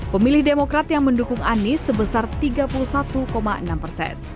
pemilih demokrat yang mendukung anies sebesar tiga puluh satu enam persen